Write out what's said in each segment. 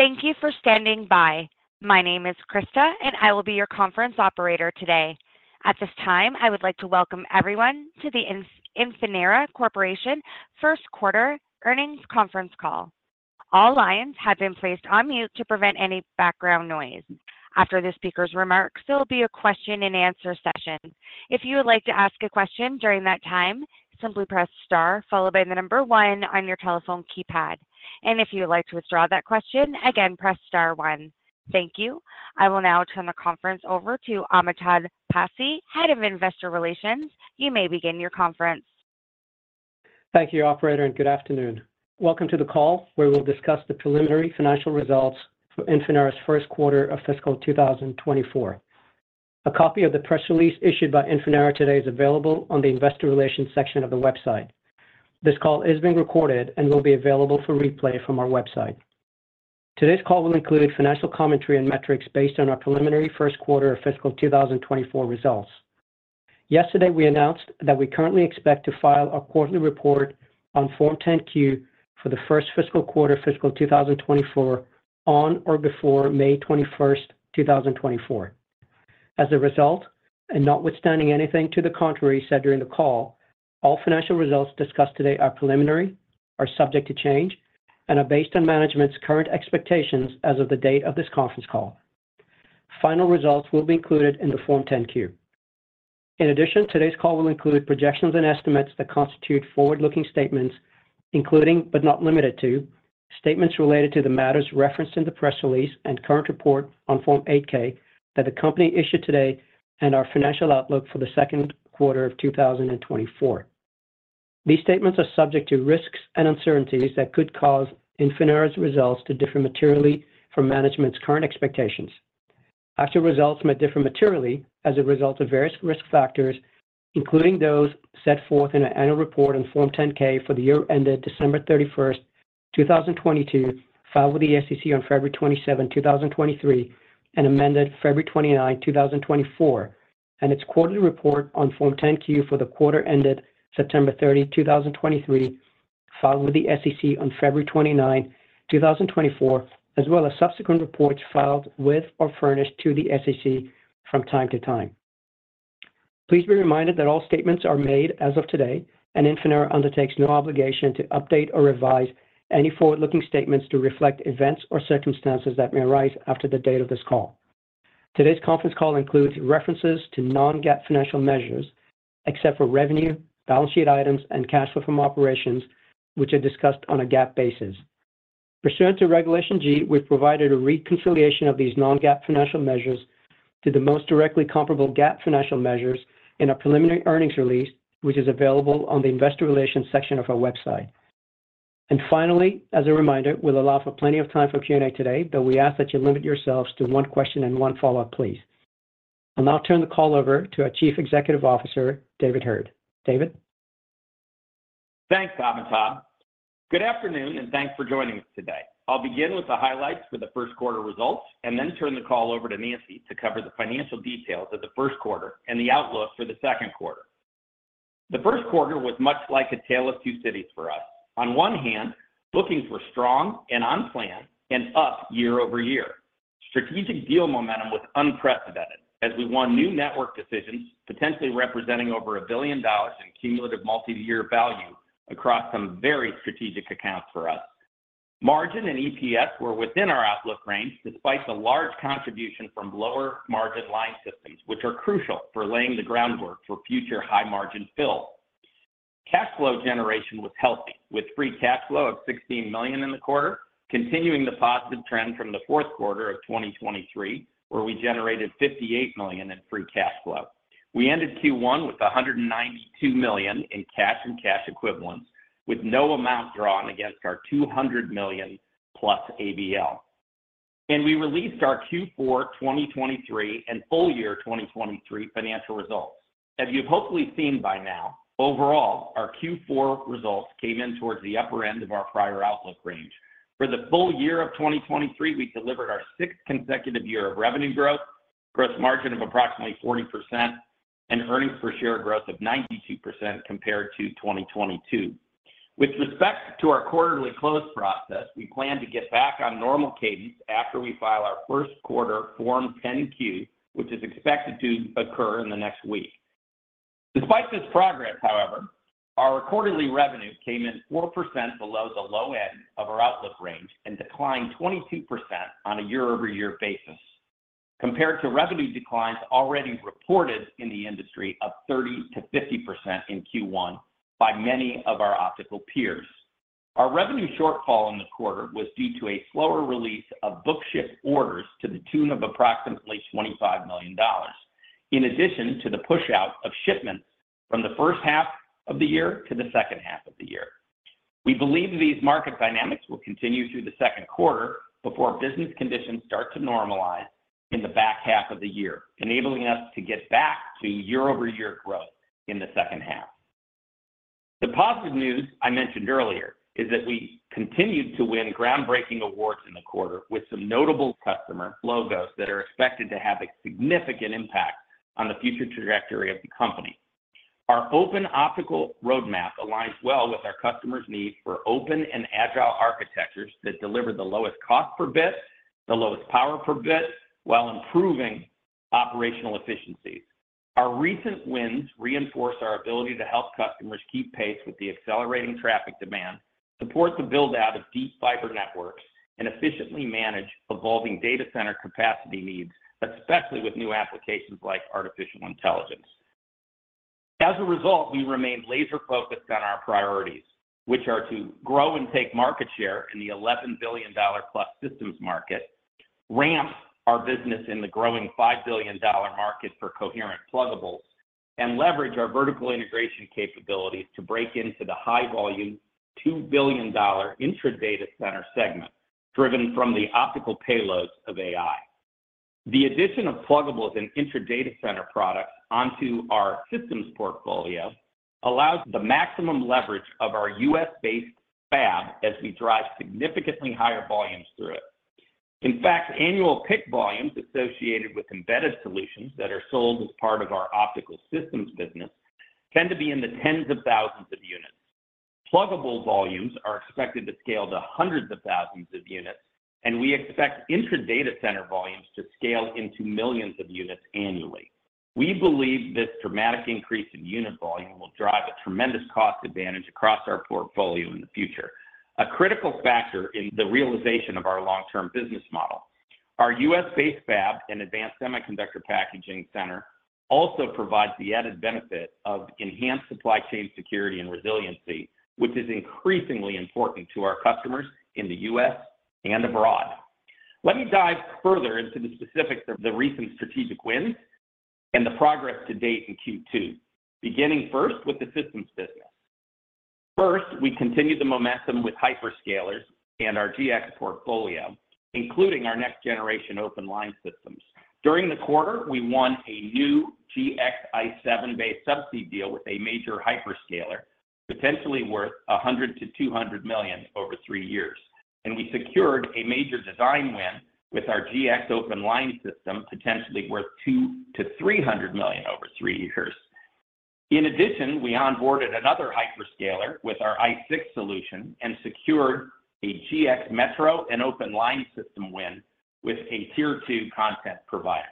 Thank you for standing by. My name is Krista, and I will be your conference operator today. At this time, I would like to welcome everyone to the Infinera Corporation first-quarter earnings conference call. All lines have been placed on mute to prevent any background noise. After the speaker's remarks, there will be a question-and-answer session. If you would like to ask a question during that time, simply press star followed by the number one on your telephone keypad. If you would like to withdraw that question, again, press star 1. Thank you. I will now turn the conference over to Amitabh Passi, Head of Investor Relations. You may begin your conference. Thank you, operator, and good afternoon. Welcome to the call where we'll discuss the preliminary financial results for Infinera's first quarter of fiscal 2024. A copy of the press release issued by Infinera today is available on the investor relations section of the website. This call is being recorded and will be available for replay from our website. Today's call will include financial commentary and metrics based on our preliminary first quarter of fiscal 2024 results. Yesterday, we announced that we currently expect to file a quarterly report on Form 10-Q for the first fiscal quarter of fiscal 2024 on or before May 21st, 2024. As a result, and notwithstanding anything to the contrary said during the call, all financial results discussed today are preliminary, are subject to change, and are based on management's current expectations as of the date of this conference call. Final results will be included in the Form 10-Q. In addition, today's call will include projections and estimates that constitute forward-looking statements, including but not limited to statements related to the matters referenced in the press release and current report on Form 8-K that the company issued today and our financial outlook for the second quarter of 2024. These statements are subject to risks and uncertainties that could cause Infinera's results to differ materially from management's current expectations. Actual results may differ materially as a result of various risk factors, including those set forth in an annual report on Form 10-K for the year ended December 31st, 2022, filed with the SEC on February 27, 2023, and amended February 29, 2024, and its quarterly report on Form 10-Q for the quarter ended September 30, 2023, filed with the SEC on February 29, 2024, as well as subsequent reports filed with or furnished to the SEC from time to time. Please be reminded that all statements are made as of today, and Infinera undertakes no obligation to update or revise any forward-looking statements to reflect events or circumstances that may arise after the date of this call. Today's conference call includes references to non-GAAP financial measures except for revenue, balance sheet items, and cash flow from operations, which are discussed on a GAAP basis. Pursuant to Regulation G, we've provided a reconciliation of these non-GAAP financial measures to the most directly comparable GAAP financial measures in our preliminary earnings release, which is available on the investor relations section of our website. And finally, as a reminder, we'll allow for plenty of time for Q&A today, but we ask that you limit yourselves to one question and one follow-up, please. I'll now turn the call over to our Chief Executive Officer, David Heard. David? Thanks, Amitabh. Good afternoon, and thanks for joining us today. I'll begin with the highlights for the first quarter results and then turn the call over to Nancy to cover the financial details of the first quarter and the outlook for the second quarter. The first quarter was much like a tale of two cities for us. On one hand, bookings were strong and on plan and up year-over-year. Strategic deal momentum was unprecedented as we won new network decisions, potentially representing over $1 billion in cumulative multi-year value across some very strategic accounts for us. Margin and EPS were within our outlook range despite the large contribution from lower-margin line systems, which are crucial for laying the groundwork for future high-margin fills. Cash flow generation was healthy, with free cash flow of $16 million in the quarter, continuing the positive trend from the fourth quarter of 2023, where we generated $58 million in free cash flow. We ended Q1 with $192 million in cash and cash equivalents, with no amount drawn against our $200 million ABL. And we released our Q4 2023 and full year 2023 financial results. As you've hopefully seen by now, overall, our Q4 results came in towards the upper end of our prior outlook range. For the full year of 2023, we delivered our sixth consecutive year of revenue growth, gross margin of approximately 40%, and earnings per share growth of 92% compared to 2022. With respect to our quarterly close process, we plan to get back on normal cadence after we file our first quarter Form 10-Q, which is expected to occur in the next week. Despite this progress, however, our quarterly revenue came in 4% below the low end of our outlook range and declined 22% on a year-over-year basis compared to revenue declines already reported in the industry of 30%-50% in Q1 by many of our optical peers. Our revenue shortfall in the quarter was due to a slower release of book-to-ship orders to the tune of approximately $25 million, in addition to the push-out of shipments from the first half of the year to the second half of the year. We believe these market dynamics will continue through the second quarter before business conditions start to normalize in the back half of the year, enabling us to get back to year-over-year growth in the second half. The positive news I mentioned earlier is that we continued to win groundbreaking awards in the quarter with some notable customer logos that are expected to have a significant impact on the future trajectory of the company. Our open optical roadmap aligns well with our customers' need for open and agile architectures that deliver the lowest cost per bit, the lowest power per bit, while improving operational efficiencies. Our recent wins reinforce our ability to help customers keep pace with the accelerating traffic demand, support the build-out of deep fiber networks, and efficiently manage evolving data center capacity needs, especially with new applications like artificial intelligence. As a result, we remain laser-focused on our priorities, which are to grow and take market share in the $11 billion+ systems market, ramp our business in the growing $5 billion market for coherent pluggables, and leverage our vertical integration capabilities to break into the high-volume, $2 billion intra-data center segment driven from the optical payloads of AI. The addition of pluggables and intra-data center products onto our systems portfolio allows the maximum leverage of our U.S.-based fab as we drive significantly higher volumes through it. In fact, annual PIC volumes associated with embedded solutions that are sold as part of our optical systems business tend to be in the tens of thousands of units. Pluggable volumes are expected to scale to hundreds of thousands of units, and we expect intra-data center volumes to scale into millions of units annually. We believe this dramatic increase in unit volume will drive a tremendous cost advantage across our portfolio in the future, a critical factor in the realization of our long-term business model. Our U.S.-based fab and advanced semiconductor packaging center also provides the added benefit of enhanced supply chain security and resiliency, which is increasingly important to our customers in the U.S. and abroad. Let me dive further into the specifics of the recent strategic wins and the progress to date in Q2, beginning first with the systems business. First, we continued the momentum with hyperscalers and our GX portfolio, including our next-generation Open Line Systems. During the quarter, we won a new GX ICE7-based subsea deal with a major hyperscaler potentially worth $100 million-$200 million over 3 years, and we secured a major design win with our GX open line system potentially worth $2 million-$300 million over 3 years. In addition, we onboarded another hyperscaler with our ICE6 solution and secured a GX Metro and open line system win with a tier two content provider.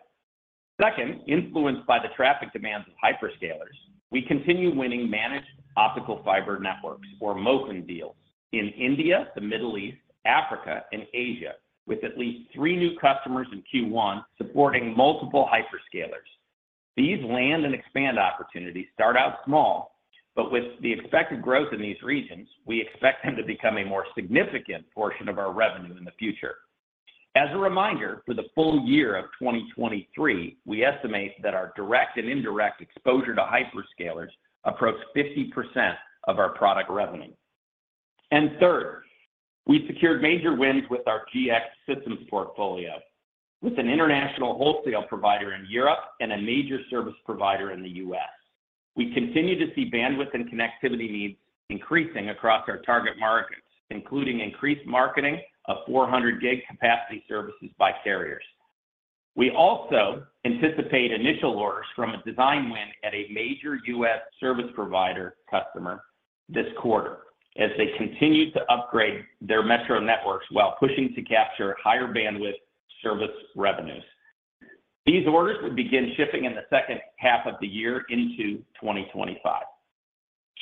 Second, influenced by the traffic demands of hyperscalers, we continue winning managed optical fiber networks, or MOFN, deals in India, the Middle East, Africa, and Asia with at least 3 new customers in Q1 supporting multiple hyperscalers. These land and expand opportunities start out small, but with the expected growth in these regions, we expect them to become a more significant portion of our revenue in the future. As a reminder, for the full year of 2023, we estimate that our direct and indirect exposure to hyperscalers approached 50% of our product revenue. And third, we secured major wins with our GX systems portfolio with an international wholesale provider in Europe and a major service provider in the U.S. We continue to see bandwidth and connectivity needs increasing across our target markets, including increased marketing of 400G capacity services by carriers. We also anticipate initial orders from a design win at a major U.S. service provider customer this quarter as they continue to upgrade their Metro networks while pushing to capture higher bandwidth service revenues. These orders would begin shipping in the second half of the year into 2025.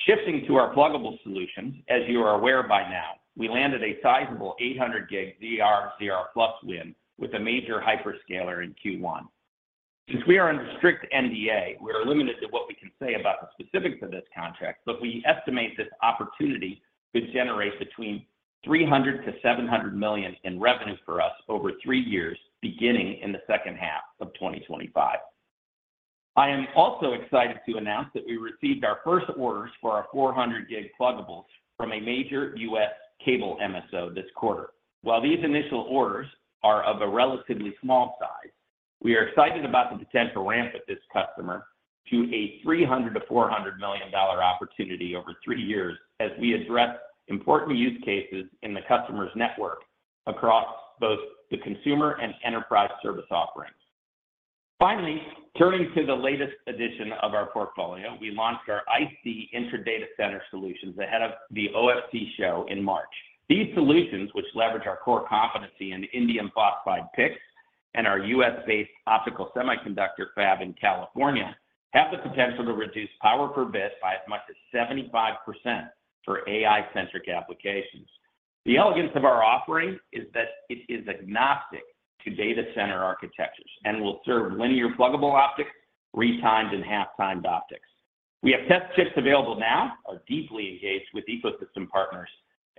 Shifting to our pluggable solutions, as you are aware by now, we landed a sizable 800G ZR/ZR+ win with a major hyperscaler in Q1. Since we are under strict NDA, we are limited to what we can say about the specifics of this contract, but we estimate this opportunity could generate between $300 million-$700 million in revenue for us over three years, beginning in the second half of 2025. I am also excited to announce that we received our first orders for our 400G pluggables from a major U.S. cable MSO this quarter. While these initial orders are of a relatively small size, we are excited about the potential ramp at this customer to a $300-$400 million opportunity over three years as we address important use cases in the customer's network across both the consumer and enterprise service offerings. Finally, turning to the latest edition of our portfolio, we launched our ICE-D intra-data center solutions ahead of the OFC show in March. These solutions, which leverage our core competency in the indium phosphide PICs and our U.S.-based optical semiconductor fab in California, have the potential to reduce power per bit by as much as 75% for AI-centric applications. The elegance of our offering is that it is agnostic to data center architectures and will serve linear pluggable optics, retimed, and half-retimed optics. We have test chips available now, are deeply engaged with ecosystem partners,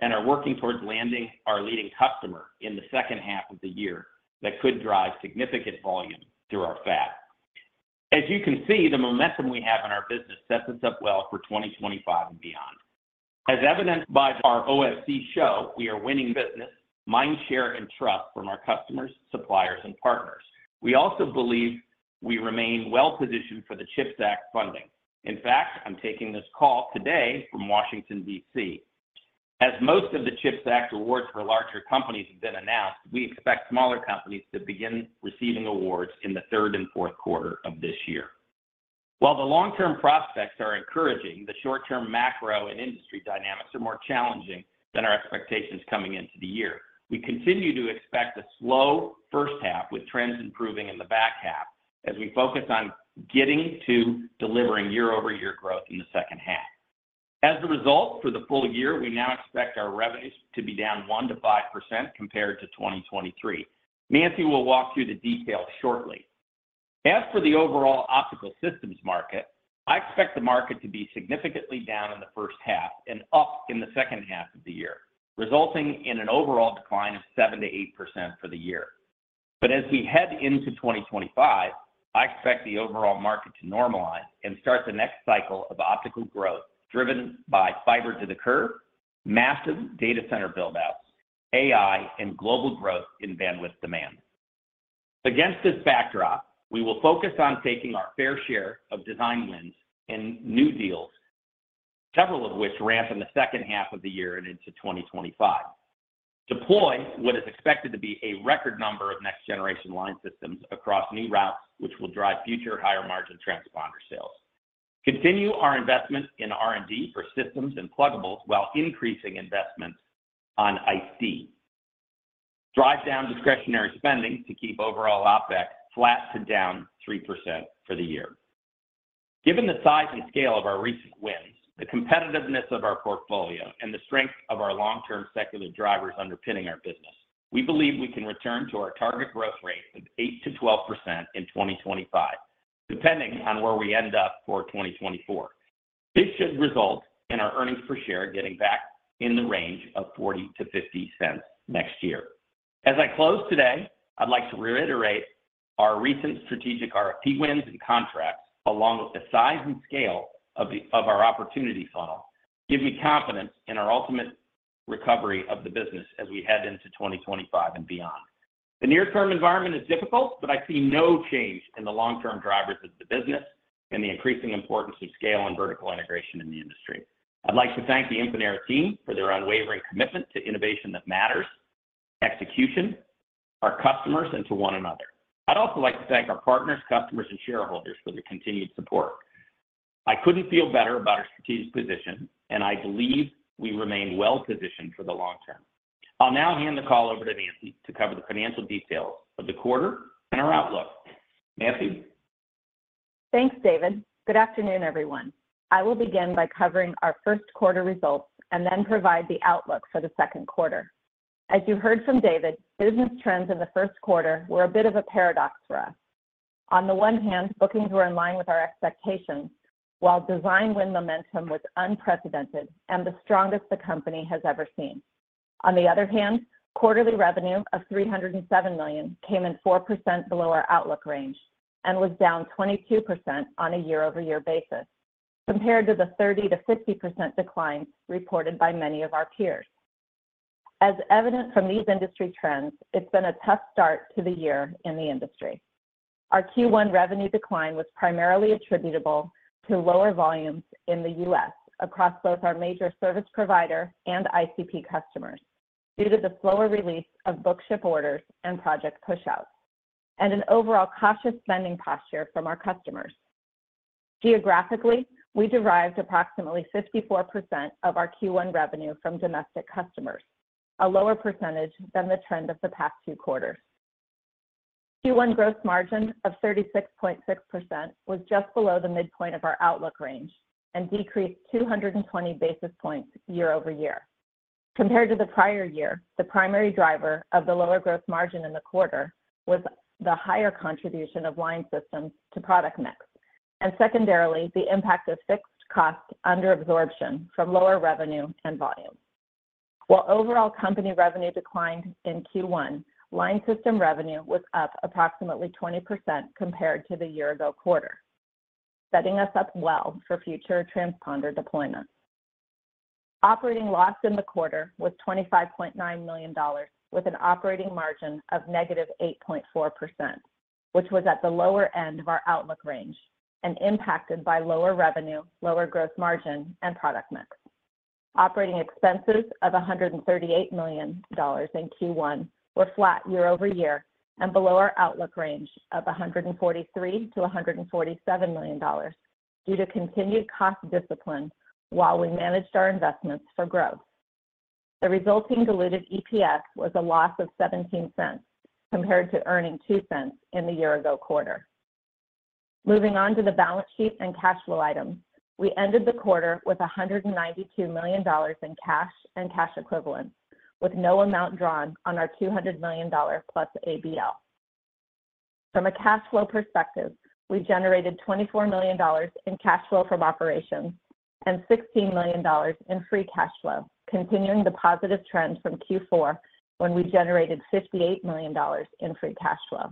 and are working towards landing our leading customer in the second half of the year that could drive significant volume through our fab. As you can see, the momentum we have in our business sets us up well for 2025 and beyond. As evident by our OFC show, we are winning business, mind share, and trust from our customers, suppliers, and partners. We also believe we remain well-positioned for the CHIPS Act funding. In fact, I'm taking this call today from Washington, D.C. As most of the CHIPS Act awards for larger companies have been announced, we expect smaller companies to begin receiving awards in the third and fourth quarter of this year. While the long-term prospects are encouraging, the short-term macro and industry dynamics are more challenging than our expectations coming into the year. We continue to expect a slow first half with trends improving in the back half as we focus on getting to delivering year-over-year growth in the second half. As a result, for the full year, we now expect our revenues to be down 1%-5% compared to 2023. Nancy will walk through the details shortly. As for the overall optical systems market, I expect the market to be significantly down in the first half and up in the second half of the year, resulting in an overall decline of 7%-8% for the year. But as we head into 2025, I expect the overall market to normalize and start the next cycle of optical growth driven by fiber to the curb, massive data center build-outs, AI, and global growth in bandwidth demand. Against this backdrop, we will focus on taking our fair share of design wins and new deals, several of which ramp in the second half of the year and into 2025, deploy what is expected to be a record number of next-generation line systems across new routes, which will drive future higher-margin transponder sales, continue our investment in R&D for systems and pluggables while increasing investments on ICE-D, drive down discretionary spending to keep overall OpEx flat to down 3% for the year. Given the size and scale of our recent wins, the competitiveness of our portfolio, and the strength of our long-term secular drivers underpinning our business, we believe we can return to our target growth rate of 8%-12% in 2025, depending on where we end up for 2024. This should result in our earnings per share getting back in the range of $0.40-$0.50 next year. As I close today, I'd like to reiterate our recent strategic RFP wins and contracts, along with the size and scale of our opportunity funnel, give me confidence in our ultimate recovery of the business as we head into 2025 and beyond. The near-term environment is difficult, but I see no change in the long-term drivers of the business and the increasing importance of scale and vertical integration in the industry. I'd like to thank the Infinera team for their unwavering commitment to innovation that matters, execution, our customers, and to one another. I'd also like to thank our partners, customers, and shareholders for their continued support. I couldn't feel better about our strategic position, and I believe we remain well-positioned for the long term. I'll now hand the call over to Nancy to cover the financial details of the quarter and our outlook. Nancy? Thanks, David. Good afternoon, everyone. I will begin by covering our first quarter results and then provide the outlook for the second quarter. As you heard from David, business trends in the first quarter were a bit of a paradox for us. On the one hand, bookings were in line with our expectations, while design win momentum was unprecedented and the strongest the company has ever seen. On the other hand, quarterly revenue of $307 million came in 4% below our outlook range and was down 22% on a year-over-year basis compared to the 30%-50% declines reported by many of our peers. As evident from these industry trends, it's been a tough start to the year in the industry. Our Q1 revenue decline was primarily attributable to lower volumes in the U.S. across both our major service provider and ICP customers due to the slower release of book-to-ship orders and project pushouts, and an overall cautious spending posture from our customers. Geographically, we derived approximately 54% of our Q1 revenue from domestic customers, a lower percentage than the trend of the past two quarters. Q1 gross margin of 36.6% was just below the midpoint of our outlook range and decreased 220 basis points year-over-year. Compared to the prior year, the primary driver of the lower gross margin in the quarter was the higher contribution of line systems to product mix, and secondarily, the impact of fixed cost underabsorption from lower revenue and volume. While overall company revenue declined in Q1, line system revenue was up approximately 20% compared to the year-ago quarter, setting us up well for future transponder deployments. Operating loss in the quarter was $25.9 million, with an operating margin of negative 8.4%, which was at the lower end of our outlook range and impacted by lower revenue, lower gross margin, and product mix. Operating expenses of $138 million in Q1 were flat year-over-year and below our outlook range of $143-$147 million due to continued cost discipline while we managed our investments for growth. The resulting diluted EPS was a loss of $0.17 compared to earning $0.02 in the year-ago quarter. Moving on to the balance sheet and cash flow items, we ended the quarter with $192 million in cash and cash equivalents, with no amount drawn on our $200 million plus ABL. From a cash flow perspective, we generated $24 million in cash flow from operations and $16 million in free cash flow, continuing the positive trend from Q4 when we generated $58 million in free cash flow.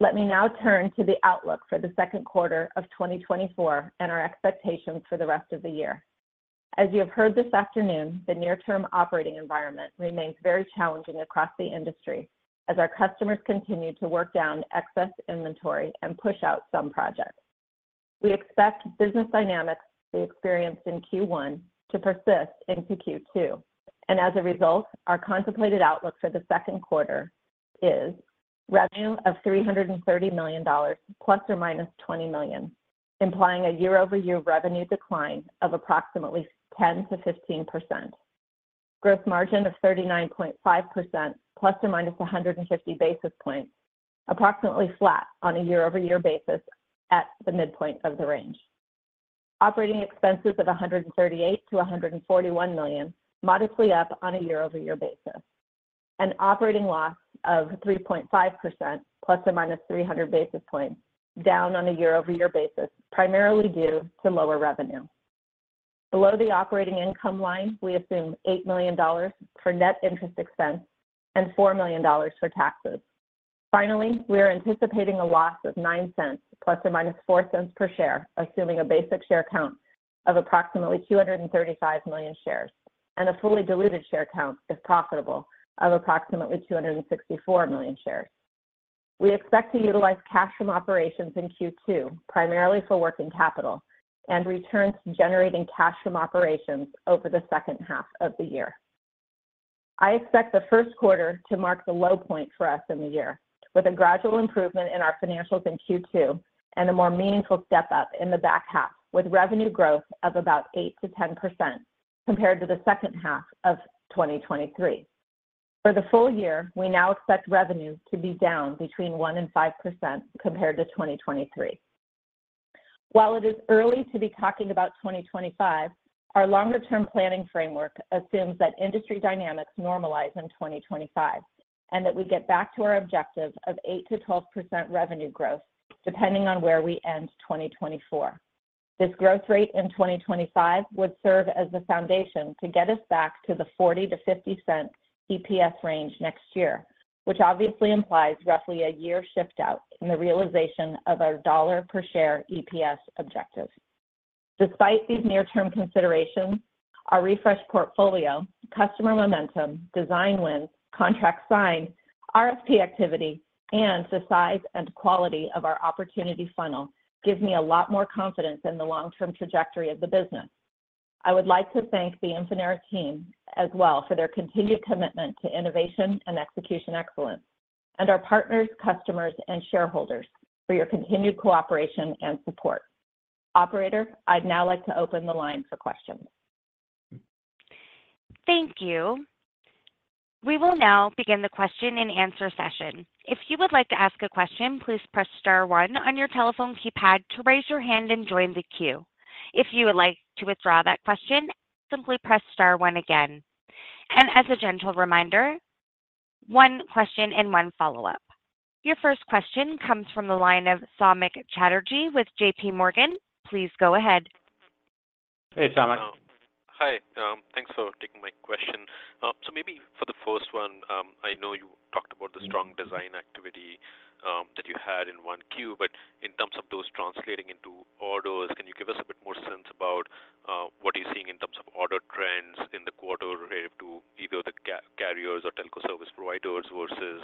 Let me now turn to the outlook for the second quarter of 2024 and our expectations for the rest of the year. As you have heard this afternoon, the near-term operating environment remains very challenging across the industry as our customers continue to work down excess inventory and push out some projects. We expect business dynamics we experienced in Q1 to persist into Q2. As a result, our contemplated outlook for the second quarter is revenue of $330 million ± $20 million, implying a year-over-year revenue decline of approximately 10%-15%, gross margin of 39.5% ± 150 basis points, approximately flat on a year-over-year basis at the midpoint of the range, operating expenses of $138-$141 million, modestly up on a year-over-year basis, and operating loss of 3.5% ± 300 basis points, down on a year-over-year basis, primarily due to lower revenue. Below the operating income line, we assume $8 million for net interest expense and $4 million for taxes. Finally, we are anticipating a loss of $0.09 ± $0.04 per share, assuming a basic share count of approximately 235 million shares and a fully diluted share count, if profitable, of approximately 264 million shares. We expect to utilize cash from operations in Q2 primarily for working capital and returns generating cash from operations over the second half of the year. I expect the first quarter to mark the low point for us in the year, with a gradual improvement in our financials in Q2 and a more meaningful step up in the back half, with revenue growth of about 8%-10% compared to the second half of 2023. For the full year, we now expect revenue to be down between 1% and 5% compared to 2023. While it is early to be talking about 2025, our longer-term planning framework assumes that industry dynamics normalize in 2025 and that we get back to our objective of 8%-12% revenue growth depending on where we end 2024. This growth rate in 2025 would serve as the foundation to get us back to the $0.40-$0.50 EPS range next year, which obviously implies roughly a year shift out in the realization of our $1 per share EPS objective. Despite these near-term considerations, our refreshed portfolio, customer momentum, design wins, contracts signed, RFP activity, and the size and quality of our opportunity funnel give me a lot more confidence in the long-term trajectory of the business. I would like to thank the Infinera team as well for their continued commitment to innovation and execution excellence, and our partners, customers, and shareholders for your continued cooperation and support. Operator, I'd now like to open the line for questions. Thank you. We will now begin the question and answer session. If you would like to ask a question, please press star one on your telephone keypad to raise your hand and join the queue. If you would like to withdraw that question, simply press star one again. As a gentle reminder, one question and one follow-up. Your first question comes from the line of Samik Chatterjee with J.P. Morgan. Please go ahead. Hey, Samik. Hi. Thanks for taking my question. So maybe for the first one, I know you talked about the strong design activity that you had in Q1, but in terms of those translating into orders, can you give us a bit more sense about what are you seeing in terms of order trends in the quarter relative to either the carriers or telco service providers versus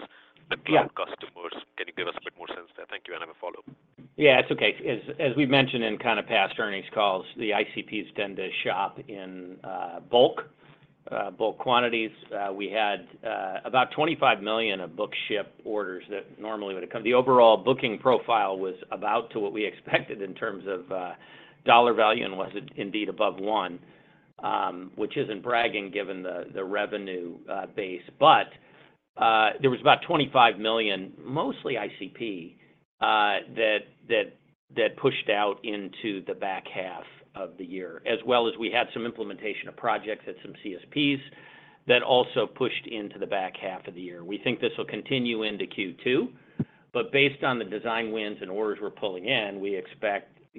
the cloud customers? Can you give us a bit more sense there? Thank you. I have a follow-up. Yeah, it's okay. As we've mentioned in past earnings calls, the ICPs tend to shop in bulk, bulk quantities. We had about $25 million of book-to-ship orders that normally would have come. The overall booking profile was about to what we expected in terms of dollar value, and was it indeed above 1, which isn't bragging given the revenue base. But there was about $25 million, mostly ICP, that pushed out into the back half of the year, as well as we had some implementation of projects at some CSPs that also pushed into the back half of the year. We think this will continue into Q2, but based on the design wins and orders we're pulling in, we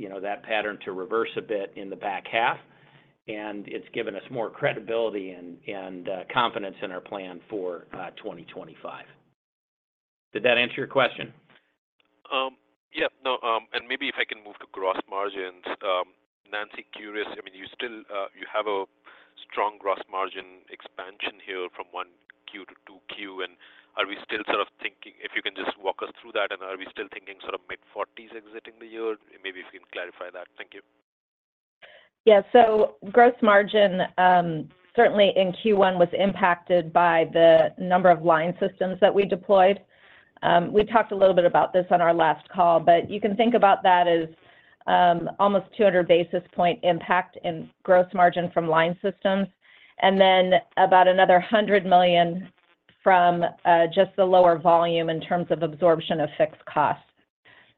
expect that pattern to reverse a bit in the back half, and it's given us more credibility and confidence in our plan for 2025. Did that answer your question? Yeah. No, and maybe if I can move to gross margins, Nancy. Curious, I mean, you have a strong gross margin expansion here from Q1 to Q2. And are we still sort of thinking if you can just walk us through that, and are we still thinking mid-40s exiting the year? Maybe if you can clarify that. Thank you. Yeah, so gross margin, certainly in Q1, was impacted by the number of line systems that we deployed. We talked a little bit about this on our last call, but you can think about that as almost 200 basis point impact in gross margin from line systems, and then about another $100 million from just the lower volume in terms of absorption of fixed costs.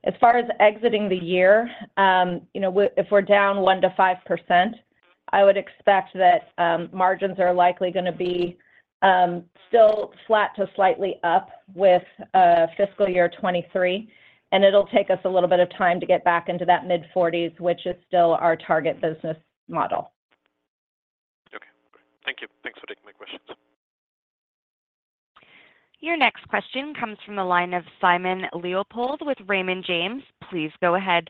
As far as exiting the year, if we're down 1%-5%, I would expect that margins are likely going to be still flat to slightly up with fiscal year 2023, and it'll take us a little bit of time to get back into that mid-40s, which is still our target business model. Okay. Great. Thank you. Thanks for taking my questions. Your next question comes from the line of Simon Leopold with Raymond James. Please go ahead.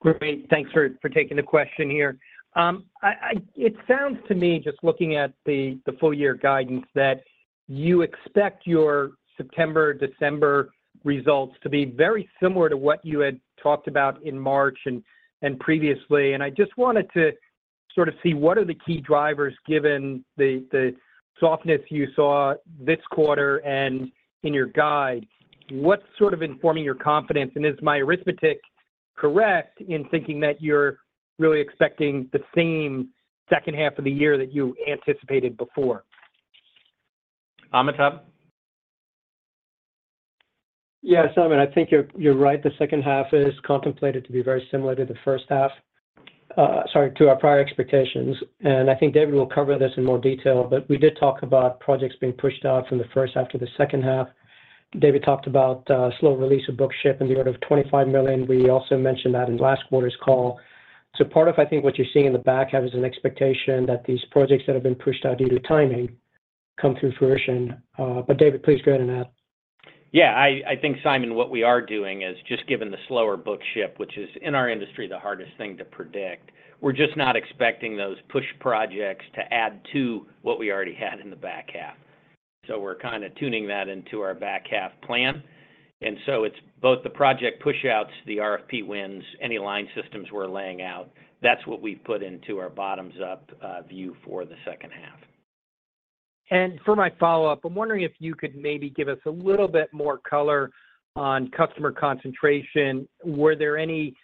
Great. Thanks for taking the question here. It sounds to me, just looking at the full-year guidance, that you expect your September, December results to be very similar to what you had talked about in March and previously. I just wanted to see what are the key drivers given the softness you saw this quarter and in your guide. What's informing your confidence? Is my arithmetic correct in thinking that you're really expecting the same second half of the year that you anticipated before? Amitabh? Yeah, Simon, I think you're right. The second half is contemplated to be very similar to the first half, sorry, to our prior expectations. And I think David will cover this in more detail, but we did talk about projects being pushed out from the first half to the second half. David talked about slow release of book-to-ship in the order of $25 million. We also mentioned that in last quarter's call. So part of, I think, what you're seeing in the back half is an expectation that these projects that have been pushed out due to timing come to fruition. But David, please go ahead and add. Yeah, I think, Simon, what we are doing is just given the slower book-to-bill, which is in our industry the hardest thing to predict, we're just not expecting those push projects to add to what we already had in the back half. So we're tuning that into our back half plan. And so it's both the project pushouts, the RFP wins, any line systems we're laying out. That's what we've put into our bottoms-up view for the second half. For my follow-up, I'm wondering if you could maybe give us a little bit more color on customer concentration. Were there any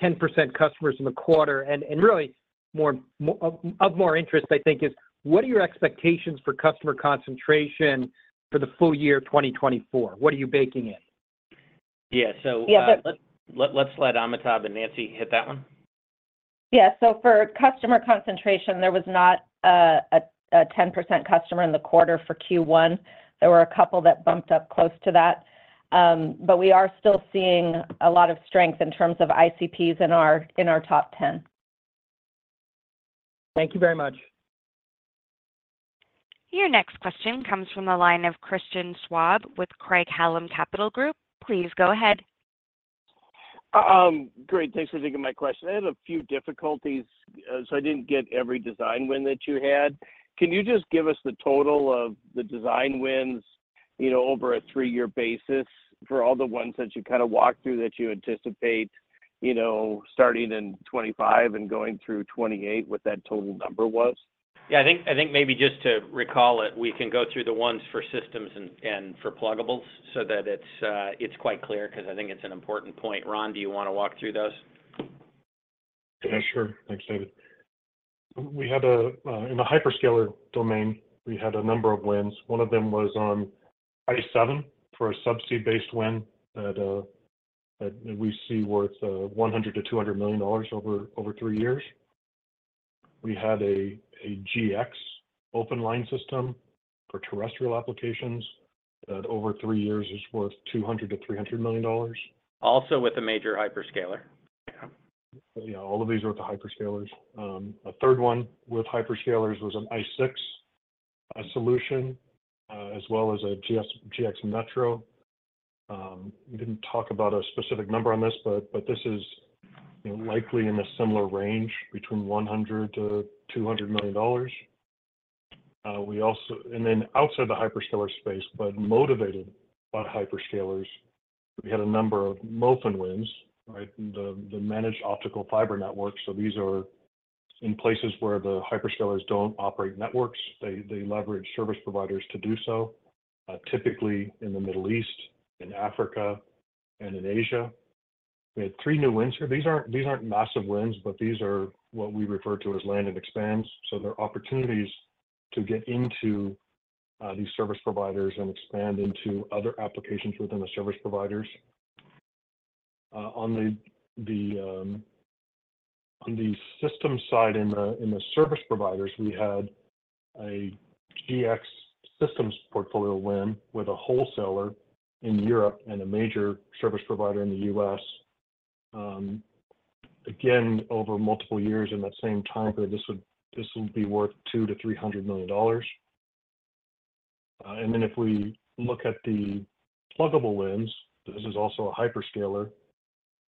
10% customers in the quarter? Really, of more interest, I think, is what are your expectations for customer concentration for the full year 2024? What are you baking in? Yeah, so let's let Amitabh and Nancy hit that one. Yeah, so for customer concentration, there was not a 10% customer in the quarter for Q1. There were a couple that bumped up close to that. But we are still seeing a lot of strength in terms of ICPs in our top 10. Thank you very much. Your next question comes from the line of Christian Schwab with Craig-Hallum Capital Group. Please go ahead. Great. Thanks for taking my question. I had a few difficulties, so I didn't get every design win that you had. Can you just give us the total of the design wins over a three-year basis for all the ones that you walked through that you anticipate, starting in 2025 and going through 2028, what that total number was? Yeah, I think maybe just to recall it, we can go through the ones for systems and for pluggables so that it's quite clear because I think it's an important point. Ron, do you want to walk through those? Yeah, sure. Thanks, David. In the hyperscaler domain, we had a number of wins. One of them was on ICE7 for a subsea-based win that we see worth $100 million-$200 million over three years. We had a GX open line system for terrestrial applications that over three years is worth $200 million-$300 million. Also with a major hyperscaler? Yeah, all of these are with the hyperscalers. A third one with hyperscalers was an ICE6 solution as well as a GX Metro. We didn't talk about a specific number on this, but this is likely in a similar range between $100 million-$200 million. And then outside the hyperscaler space, but motivated by hyperscalers, we had a number of MOFN wins, the managed optical fiber networks. So these are in places where the hyperscalers don't operate networks. They leverage service providers to do so, typically in the Middle East, in Africa, and in Asia. We had three new wins here. These aren't massive wins, but these are what we refer to as land and expand. So there are opportunities to get into these service providers and expand into other applications within the service providers. On the system side in the service providers, we had a GX systems portfolio win with a wholesaler in Europe and a major service provider in the US. Again, over multiple years in that same time period, this would be worth $200 million-$300 million. And then if we look at the pluggable wins, this is also a hyperscaler.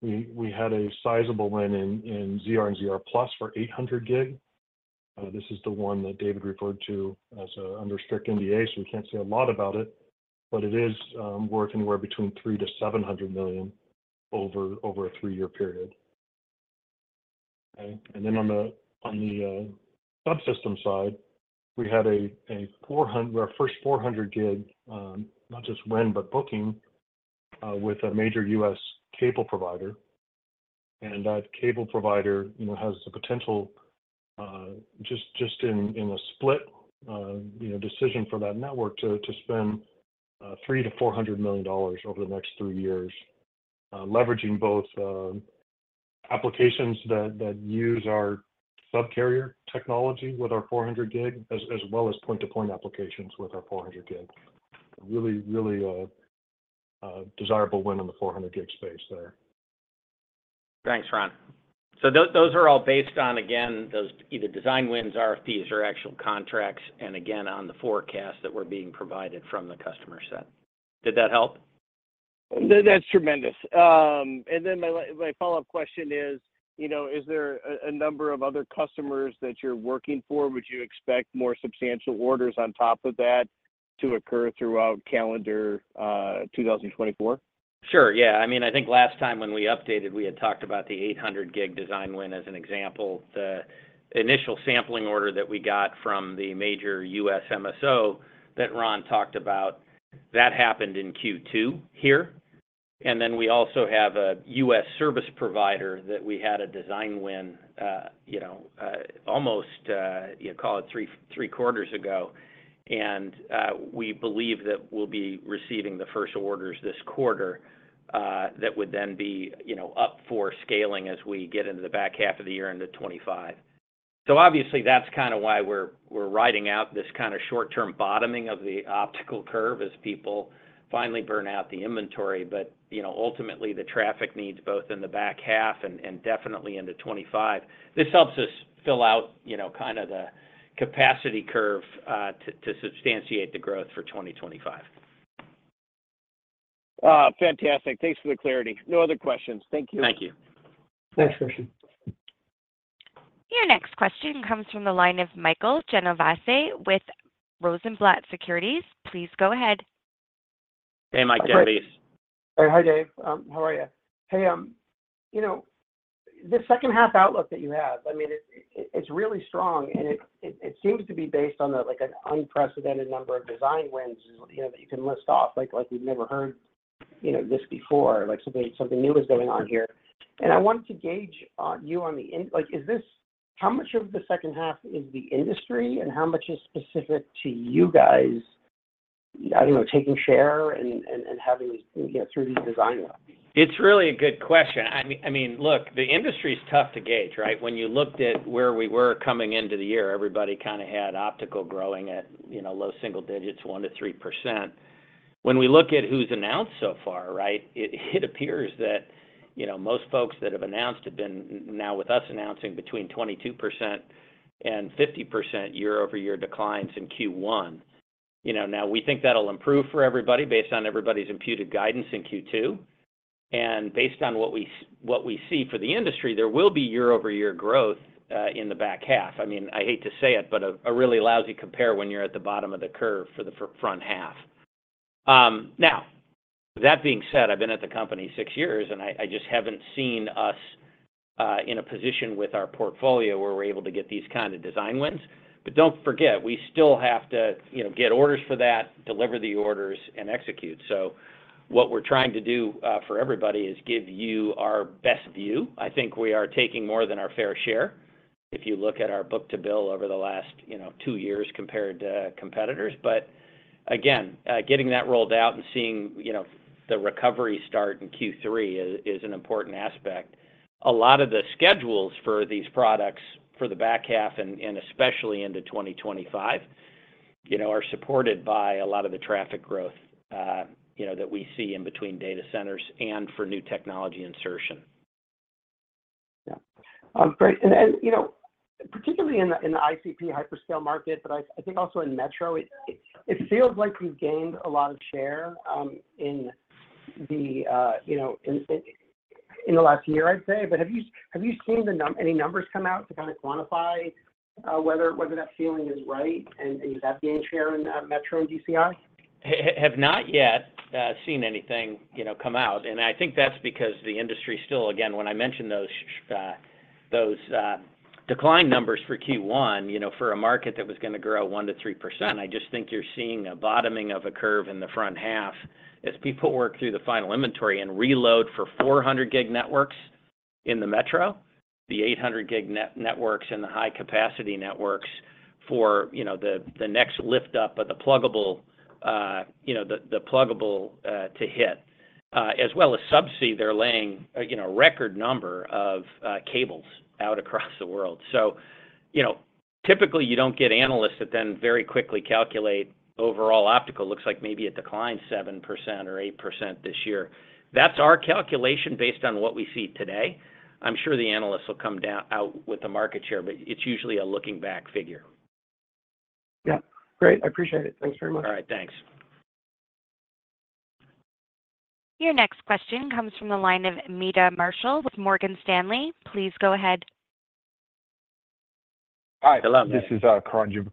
We had a sizable win in ZR and ZR+ for 800 gig. This is the one that David referred to as under strict NDA, so we can't say a lot about it, but it is worth anywhere between $300 million-$700 million over a three-year period. And then on the subsystem side, we had our first 400 gig, not just win, but booking with a major U.S. cable provider. That cable provider has the potential, just in a split decision for that network, to spend $3 million-$400 million over the next three years, leveraging both applications that use our subcarrier technology with our 400 gig, as well as point-to-point applications with our 400 gig. Really, really desirable win in the 400 gig space there. Thanks, Ron. So those are all based on, again, those either design wins, RFPs, or actual contracts, and again, on the forecast that we're being provided from the customer set. Did that help? That's tremendous. And then my follow-up question is, is there a number of other customers that you're working for? Would you expect more substantial orders on top of that to occur throughout calendar 2024? Sure. Yeah. I mean, I think last time when we updated, we had talked about the 800 gig design win as an example. The initial sampling order that we got from the major US MSO that Ron talked about, that happened in Q2 here. And then we also have a US service provider that we had a design win almost, call it, three-quarters ago. And we believe that we'll be receiving the first orders this quarter that would then be up for scaling as we get into the back half of the year into 2025. So obviously, that's kind of why we're riding out this short-term bottoming of the optical curve as people finally burn out the inventory. But ultimately, the traffic needs both in the back half and definitely into 2025. This helps us fill out the capacity curve to substantiate the growth for 2025. Fantastic. Thanks for the clarity. No other questions. Thank you. Thank you. Thanks, Christian. Your next question comes from the line of Michael Genovese with Rosenblatt Securities. Please go ahead. Hey, Mike Genovese. Hi, Dave. How are you? Hey, the second half outlook that you have, I mean, it's really strong, and it seems to be based on an unprecedented number of design wins that you can list off. We've never heard this before. Something new is going on here. And I wanted to gauge you on the how much of the second half is the industry, and how much is specific to you guys, I don't know, taking share and having these through these design wins? It's really a good question. I mean, look, the industry is tough to gauge, right? When you looked at where we were coming into the year, everybody had optical growing at low single digits, 1%-3%. When we look at who's announced so far, right, it appears that most folks that have announced have been now with us announcing between 22%-50% year-over-year declines in Q1. Now, we think that'll improve for everybody based on everybody's imputed guidance in Q2. And based on what we see for the industry, there will be year-over-year growth in the back half. I mean, I hate to say it, but a really lousy compare when you're at the bottom of the curve for the front half. Now, that being said, I've been at the company six years, and I just haven't seen us in a position with our portfolio where we're able to get these kinds of design wins. But don't forget, we still have to get orders for that, deliver the orders, and execute. So what we're trying to do for everybody is give you our best view. I think we are taking more than our fair share if you look at our book-to-bill over the last two years compared to competitors. But again, getting that rolled out and seeing the recovery start in Q3 is an important aspect. A lot of the schedules for these products for the back half, and especially into 2025, are supported by a lot of the traffic growth that we see in between data centers and for new technology insertion. Yeah. Great. Particularly in the ICP hyperscale market, but I think also in Metro, it feels like you've gained a lot of share in the last year, I'd say. But have you seen any numbers come out to quantify whether that feeling is right, and you have gained share in Metro and DCI? have not yet seen anything come out. And I think that's because the industry still again, when I mentioned those decline numbers for Q1 for a market that was going to grow 1%-3%, I just think you're seeing a bottoming of a curve in the front half as people work through the final inventory and reload for 400G networks in the metro, the 800G networks and the high-capacity networks for the next lift-up of the pluggable to hit, as well as subsea, they're laying a record number of cables out across the world. So typically, you don't get analysts that then very quickly calculate overall optical. Looks like maybe it declined 7% or 8% this year. That's our calculation based on what we see today. I'm sure the analysts will come out with a market share, but it's usually a looking-back figure. Yeah. Great. I appreciate it. Thanks very much. All right. Thanks. Your next question comes from the line of Meta Marshall with Morgan Stanley. Please go ahead. Hi. Hello. This is Karanjub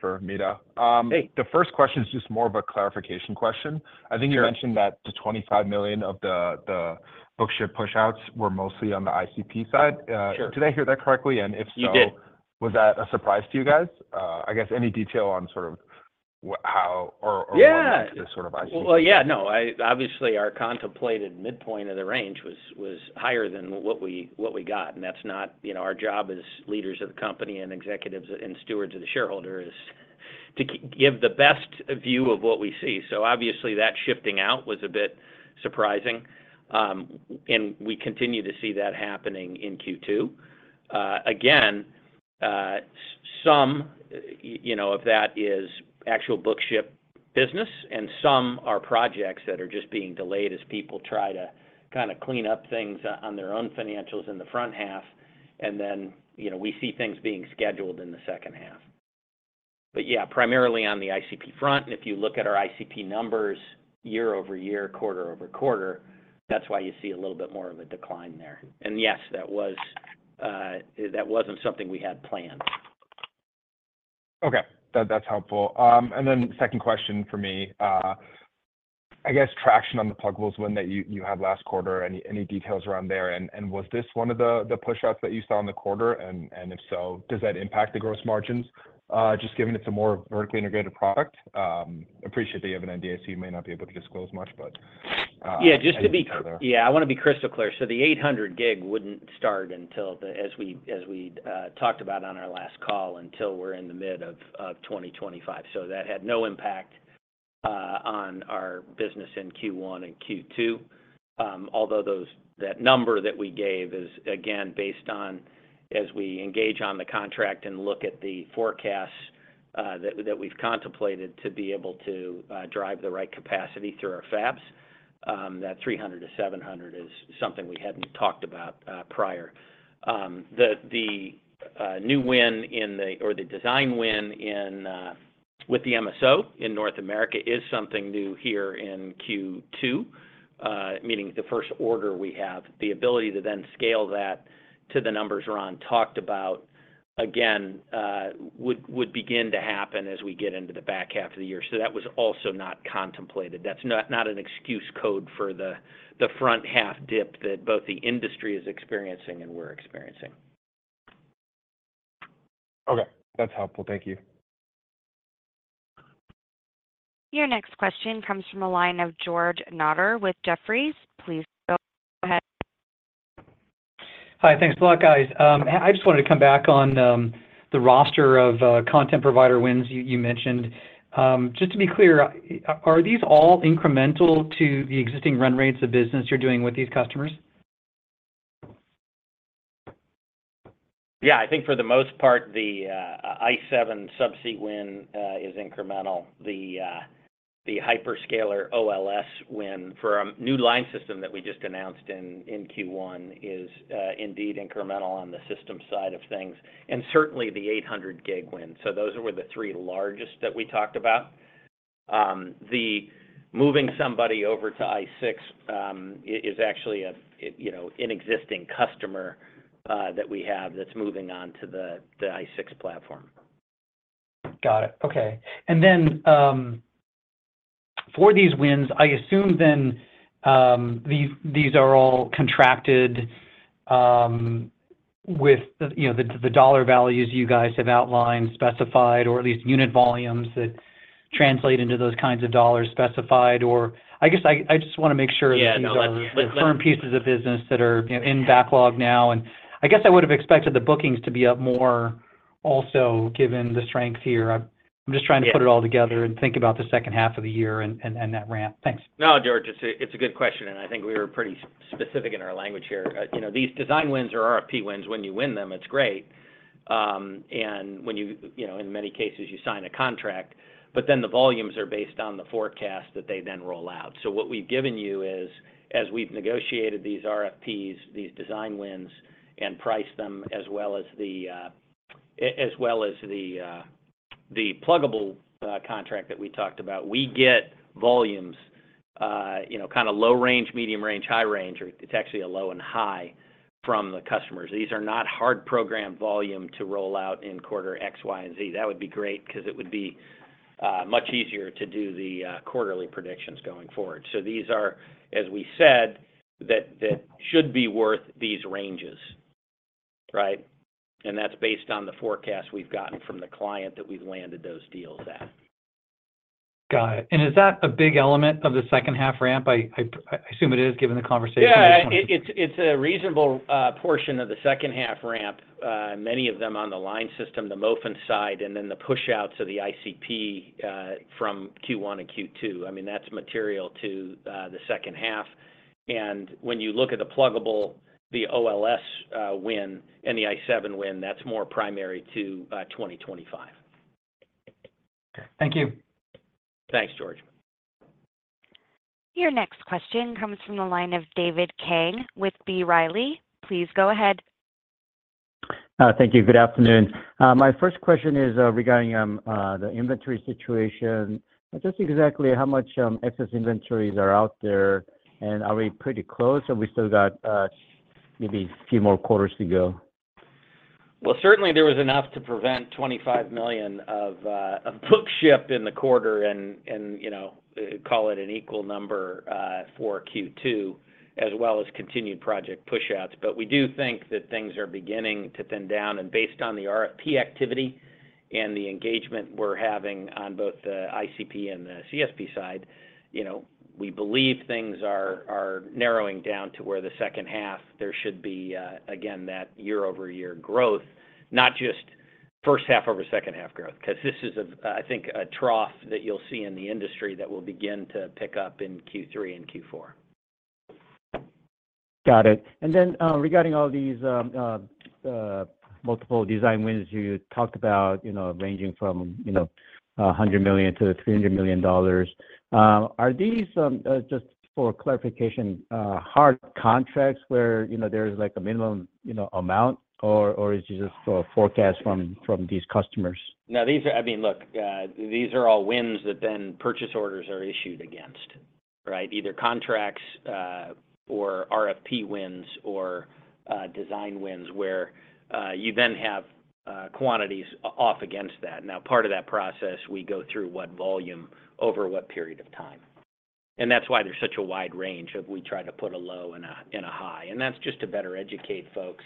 for Meta. The first question is just more of a clarification question. I think you mentioned that the $25 million of the book-to-bill pushouts were mostly on the ICP side. Did I hear that correctly? And if so, was that a surprise to you guys? I guess any detail on how or what led to this sort of ICP? Well, yeah. No. Obviously, our contemplated midpoint of the range was higher than what we got. And that's not our job as leaders of the company and executives and stewards of the shareholder is to give the best view of what we see. So obviously, that shifting out was a bit surprising. And we continue to see that happening in Q2. Again, some of that is actual book-to-ship business, and some are projects that are just being delayed as people try to clean up things on their own financials in the front half. And then we see things being scheduled in the second half. But yeah, primarily on the ICP front. And if you look at our ICP numbers year-over-year, quarter-over-quarter, that's why you see a little bit more of a decline there. And yes, that wasn't something we had planned. Okay. That's helpful. And then second question for me, I guess traction on the pluggable's win that you had last quarter. Any details around there? And was this one of the pushouts that you saw in the quarter? And if so, does that impact the gross margins just given it's a more vertically integrated product? Appreciate that you have an NDA, so you may not be able to disclose much, but. Yeah. Yeah. I want to be crystal clear. So the 800 gig wouldn't start, as we talked about on our last call, until we're in the mid of 2025. So that had no impact on our business in Q1 and Q2, although that number that we gave is, again, based on as we engage on the contract and look at the forecasts that we've contemplated to be able to drive the right capacity through our fabs, that 300-700 is something we hadn't talked about prior. The new win or the design win with the MSO in North America is something new here in Q2, meaning the first order we have. The ability to then scale that to the numbers Ron talked about, again, would begin to happen as we get into the back half of the year. So that was also not contemplated. That's not an excuse code for the front half dip that both the industry is experiencing and we're experiencing. Okay. That's helpful. Thank you. Your next question comes from a line of George Notter with Jefferies. Please go ahead. Hi. Thanks a lot, guys. I just wanted to come back on the roster of content provider wins you mentioned. Just to be clear, are these all incremental to the existing run rates of business you're doing with these customers? Yeah. I think for the most part, the i7 subsea win is incremental. The hyperscaler OLS win for a new line system that we just announced in Q1 is indeed incremental on the system side of things. And certainly, the 800 gig win. So those were the three largest that we talked about. The moving somebody over to ICE6 is actually an existing customer that we have that's moving on to the ICE6 platform. Got it. Okay. And then for these wins, I assume then these are all contracted with the dollar values you guys have outlined, specified, or at least unit volumes that translate into those kinds of dollars specified. Or I guess I just want to make sure that these are firm pieces of business that are in backlog now. And I guess I would have expected the bookings to be up more also given the strength here. I'm just trying to put it all together and think about the second half of the year and that ramp. Thanks. No, George, it's a good question. I think we were pretty specific in our language here. These design wins are RFP wins. When you win them, it's great. In many cases, you sign a contract. But then the volumes are based on the forecast that they then roll out. So what we've given you is, as we've negotiated these RFPs, these design wins, and priced them as well as the pluggable contract that we talked about, we get volumes low range, medium range, high range, or it's actually a low and high from the customers. These are not hard-programmed volume to roll out in quarter X, Y, and Z. That would be great because it would be much easier to do the quarterly predictions going forward. So these are, as we said, that should be worth these ranges, right? That's based on the forecast we've gotten from the client that we've landed those deals at. Got it. And is that a big element of the second half ramp? I assume it is given the conversation. Yeah. It's a reasonable portion of the second half ramp, many of them on the line system, the MOFN side, and then the pushouts of the ICP from Q1 and Q2. I mean, that's material to the second half. And when you look at the pluggable, the OLS win and the ICE7 win, that's more primary to 2025. Okay. Thank you. Thanks, George. Your next question comes from the line of David Kang with B. Riley. Please go ahead. Thank you. Good afternoon. My first question is regarding the inventory situation. Just exactly how much excess inventories are out there? And are we pretty close? Or we still got maybe a few more quarters to go? Well, certainly, there was enough to prevent $25 million of bookings in the quarter and call it an equal number for Q2 as well as continued project pushouts. But we do think that things are beginning to thin down. And based on the RFP activity and the engagement we're having on both the ICP and the CSP side, we believe things are narrowing down to where the second half there should be, again, that year-over-year growth, not just first half over second half growth because this is, I think, a trough that you'll see in the industry that will begin to pick up in Q3 and Q4. Got it. And then regarding all these multiple design wins you talked about ranging from $100 million-$300 million, are these, just for clarification, hard contracts where there's a minimum amount? Or is it just for a forecast from these customers? Now, I mean, look, these are all wins that then purchase orders are issued against, right? Either contracts or RFP wins or design wins where you then have quantities off against that. Now, part of that process, we go through what volume over what period of time. And that's why there's such a wide range of we try to put a low and a high. And that's just to better educate folks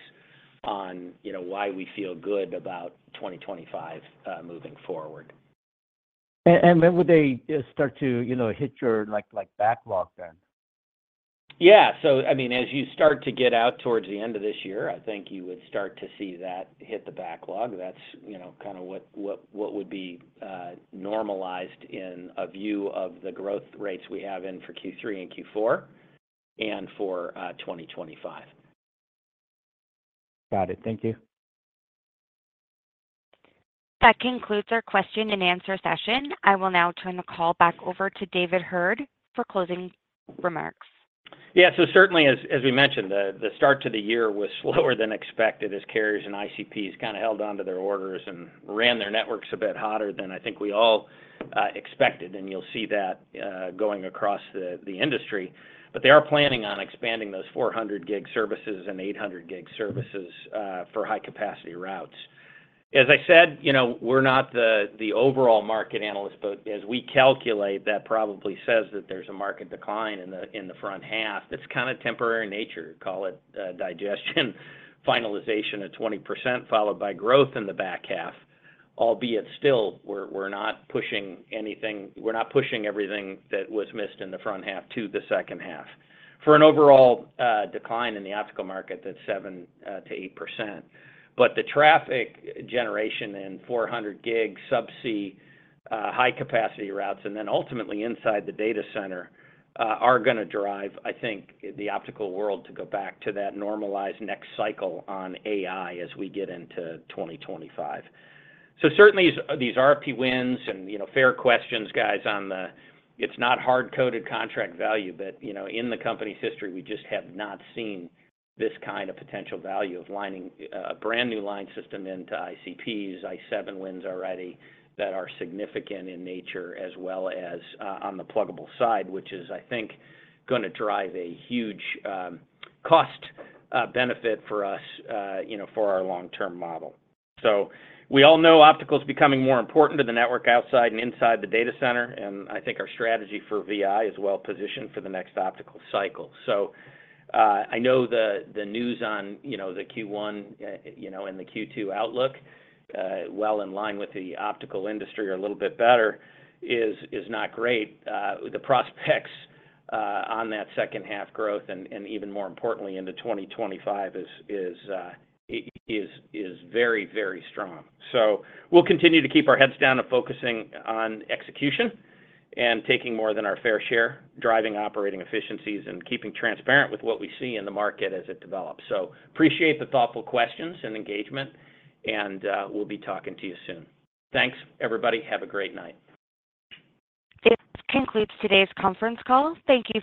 on why we feel good about 2025 moving forward. When would they start to hit your backlog then? Yeah. So I mean, as you start to get out towards the end of this year, I think you would start to see that hit the backlog. That's kind of what would be normalized in a view of the growth rates we have in for Q3 and Q4 and for 2025. Got it. Thank you. That concludes our question-and-answer session. I will now turn the call back over to David Heard for closing remarks. Yeah. So certainly, as we mentioned, the start to the year was slower than expected as carriers and ICPs kind of held onto their orders and ran their networks a bit hotter than I think we all expected. And you'll see that going across the industry. But they are planning on expanding those 400G services and 800G services for high-capacity routes. As I said, we're not the overall market analyst. But as we calculate, that probably says that there's a market decline in the front half. It's kind of temporary in nature. Call it digestion, finalization at 20% followed by growth in the back half, albeit still, we're not pushing anything we're not pushing everything that was missed in the front half to the second half for an overall decline in the optical market that's 7%-8%. But the traffic generation in 400G subsea high-capacity routes and then ultimately inside the data center are going to drive, I think, the optical world to go back to that normalized next cycle on AI as we get into 2025. So certainly, these RFP wins and fair questions, guys, on the, it's not hard-coded contract value. But in the company's history, we just have not seen this kind of potential value of lining a brand new line system into ICPs, ICE7 wins already that are significant in nature as well as on the pluggable side, which is, I think, going to drive a huge cost benefit for us for our long-term model. So we all know optical's becoming more important to the network outside and inside the data center. And I think our strategy for VI is well-positioned for the next optical cycle. So I know the news on the Q1 and the Q2 outlook, well in line with the optical industry or a little bit better, is not great. The prospects on that second half growth and even more importantly, into 2025, is very, very strong. So we'll continue to keep our heads down and focusing on execution and taking more than our fair share, driving operating efficiencies, and keeping transparent with what we see in the market as it develops. So appreciate the thoughtful questions and engagement. And we'll be talking to you soon. Thanks, everybody. Have a great night. This concludes today's conference call. Thank you.